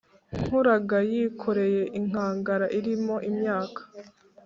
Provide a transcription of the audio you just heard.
nkuranga yikoreye inkangara irimo imyaka